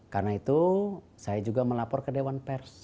karena itu saya juga melapor ke dewan pers